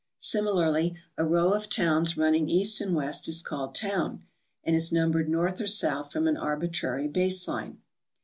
Similarly a row of towns run ning east and west is called toivn, and is numbered north or south from an arbitrary base line.